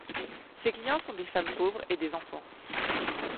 Ses clients sont des femmes pauvres et des enfants.